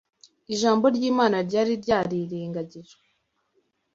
Ijambo ry’Imana ryari ryarirengagijwe